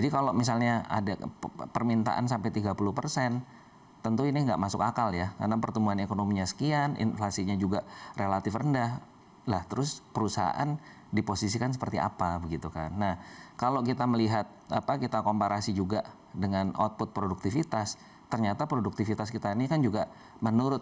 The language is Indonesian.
ketua dewan pimpinan nasional apindo menilai amanat peraturan pemerintah nomor tujuh puluh delapan tahun dua ribu lima belas tentang pengupahan sudah menjadi jalan tengah antara pengusaha dan buruh